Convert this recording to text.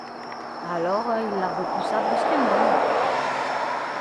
Alors il la repoussa brusquement.